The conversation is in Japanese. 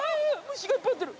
虫がいっぱい入ってる。